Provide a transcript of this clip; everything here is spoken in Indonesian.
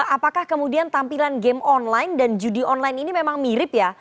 apakah kemudian tampilan game online dan judi online ini memang mirip ya